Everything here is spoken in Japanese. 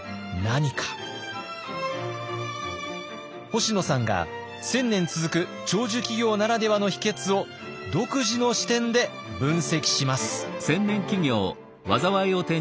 星野さんが１，０００年続く長寿企業ならではの秘けつを独自の視点で分析します。